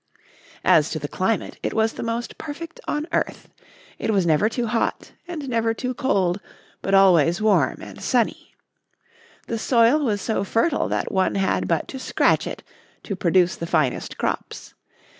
As to the climate, it was the most perfect on earth. It was never too hot, and never too cold, but always warm and sunny. The soil was so fertile that one had but to scratch it to produce the finest crops.